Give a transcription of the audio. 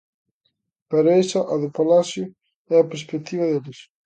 Pero esa, a do palacio, é a perspectiva deles.